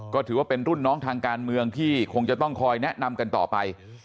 ก็ถือว่าเป็นรุ่นน้องทางการเมืองที่คงจะต้องคอยแนะนำกันต่อไป